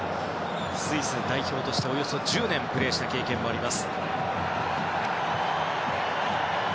スイス代表として、およそ１０年プレーした経験もあります。